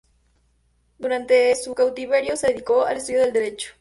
Durante su cautiverio, se dedicó al estudio del Derecho.